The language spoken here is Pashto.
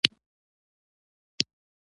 دا لیکونه د لوړ پوړو خلکو لخوا کارېدل.